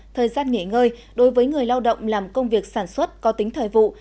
thời gian nghỉ ngơi đối với người lao động làm công việc sản xuất có tính thời vụ